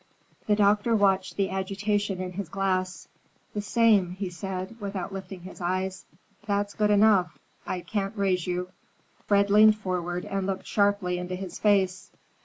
The doctor watched the agitation in his glass. "The same," he said without lifting his eyes. "That's good enough. I can't raise you." Fred leaned forward, and looked sharply into his face.